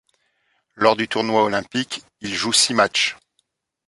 Lors du tournoi olympique, il joue six matchs.